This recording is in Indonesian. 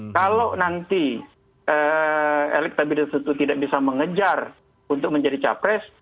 kalau nanti elektabilitas itu tidak bisa mengejar untuk menjadi capres